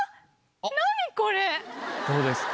どうですか？